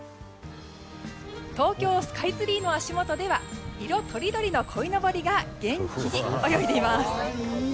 東京スカイツリーの足元では色とりどりのこいのぼりが元気に泳いでいます。